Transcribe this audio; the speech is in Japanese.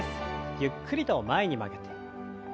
ゆっくりと前に曲げて。